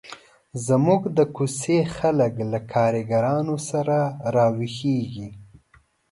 زموږ د کوڅې خلک له کارګرانو سره را ویښیږي.